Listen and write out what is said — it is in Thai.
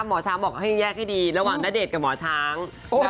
หมอช้างบอกให้แยกให้ดีระหว่างณเดชน์กับหมอช้าง